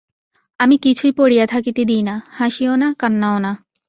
আমি কিছুই পড়িয়া থাকিতে দিই না, হাসিও না, কান্নাও না।